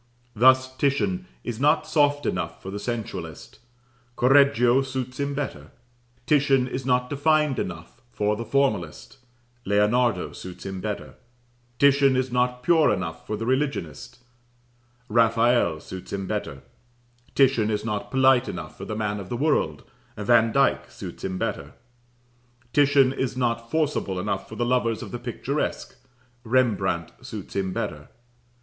Thus, Titian is not soft enough for the sensualist, Correggio suits him better; Titian is not defined enough for the formalist, Leonardo suits him better; Titian is not pure enough for the religionist, Raphael suits him better; Titian is not polite enough for the man of the world, Vandyke suits him better; Titian is not forcible enough for the lovers of the picturesque, Rembrandt suits him better.